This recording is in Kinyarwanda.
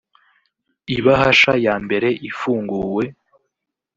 Ibahasha ya mbere ifunguwe